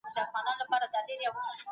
نړیوال څېړندود د کیفیت ضمانت په نښه کوي.